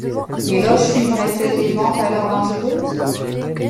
Les Loges suivraient-elles les Ventes à l'heure dangereuse?